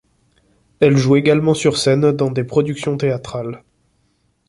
Elle joue également sur scène dans des productions théâtrales.